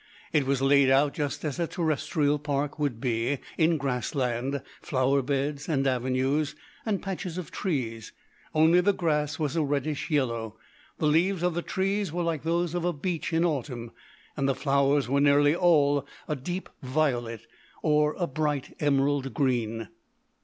It was laid out just as a terrestrial park would be, in grass land, flower beds, and avenues, and patches of trees, only the grass was a reddish yellow, the leaves of the trees were like those of a beech in autumn, and the flowers were nearly all a deep violet, or a bright emerald green.